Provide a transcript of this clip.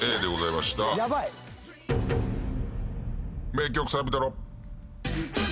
名曲サビトロ。